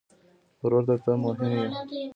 ورور ته ته مهم یې.